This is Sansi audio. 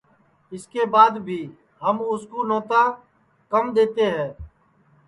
اِس کے بعد بھی ہم اُس کُو نوتا کم دؔیتے ہے